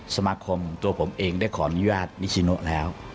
สมาคมตัวผมเองได้ขออนุญาตนิชิโนแล้ว